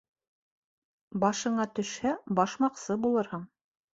Башыңа төшһә, башмаҡсы булырһың.